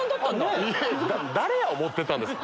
誰や思ってたんですか？